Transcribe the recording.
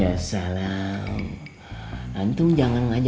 aku adalah santri yang masih hijau